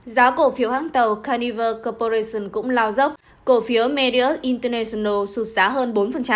giá cổ phiếu hãng tàu carnival corporation cũng lao dốc cổ phiếu marriott international sụt giá hơn bốn